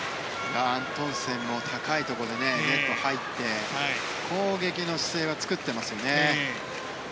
アントンセンも高いところでよく入って攻撃の姿勢は作ってますね。